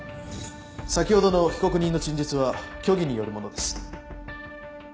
先ほどの被告人の陳述は虚偽によるものです。